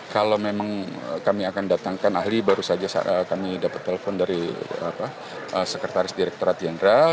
kalau memang kami akan datangkan ahli baru saja kami dapat telepon dari sekretaris direkturat jenderal